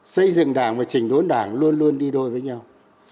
xây dựng đảng và trình đốn đảng luôn luôn đi đôi với nhau